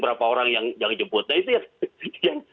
berapa orang yang yang dijemput nah itu ya